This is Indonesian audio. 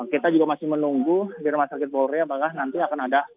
kita juga masih menunggu di rumah sakit polri apakah nanti akan ada